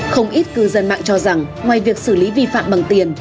không ít cư dân mạng cho rằng ngoài việc xử lý vi phạm bằng tiền